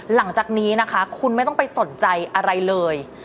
หลังจากนี้นะคะคุณไม่ต้องไปสนใจอะไรเลย